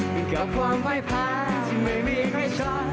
เกี่ยวกับความไว้พาที่ไม่มีใครใช้